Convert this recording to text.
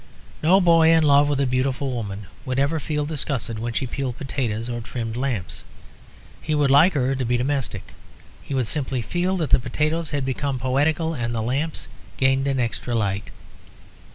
No boy in love with a beautiful woman would ever feel disgusted when she peeled potatoes or trimmed lamps. He would like her to be domestic. He would simply feel that the potatoes had become poetical and the lamps gained an extra light.